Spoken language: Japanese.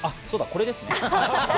そうだ、これですね！